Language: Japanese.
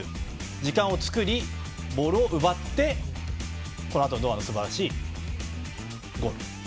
時間を作りボールを奪ってこのあと堂安のすばらしいゴール。